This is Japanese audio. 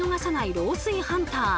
漏水ハンター。